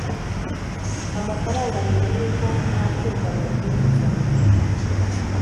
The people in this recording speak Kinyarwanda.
amafaranga mbere y uko hakirwa amabwiriza